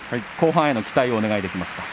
後半への期待をお願いします。